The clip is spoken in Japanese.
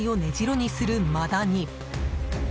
住宅街を根城にするマダニ。